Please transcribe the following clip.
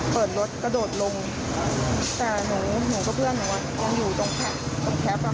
เสียงเพื่อนหนูเงียบหายไป